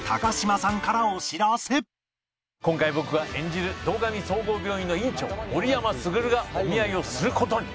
今回僕が演じる堂上総合病院の院長森山卓がお見合いをする事に。